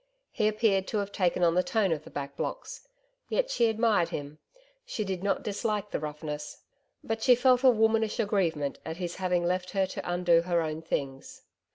He appeared to have taken on the tone of the Back Blocks. Yet she admired him. She did not dislike the roughness. But she felt a womanish aggrievement at his having left her to undo her own things.